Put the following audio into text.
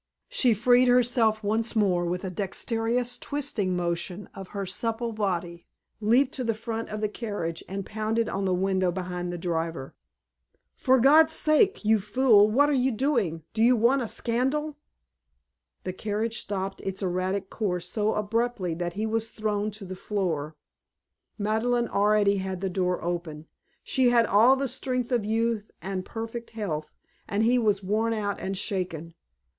She freed herself once more with a dexterous twisting motion of her supple body, leaped to the front of the carriage and pounded on the window behind the driver. "For God's sake! You fool! What are you doing? Do you want a scandal?" The carriage stopped its erratic course so abruptly that he was thrown to the floor. Madeleine already had the door open. She had all the strength of youth and perfect health, and he was worn out and shaken.